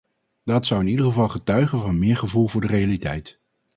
Dat zou in ieder geval getuigen van meer gevoel voor de realiteit.